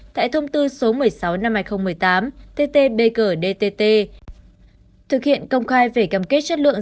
tại thông tư số một mươi sáu hai nghìn một mươi tám ttbg dtt thực hiện công khai về cầm kết chất lượng